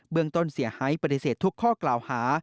เมืองต้นเสียหายปฏิเสธทุกข้อกล่าวหา